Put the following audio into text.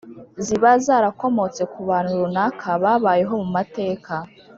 ziba zarakomotse ku bantu runaka babayeho mu mateka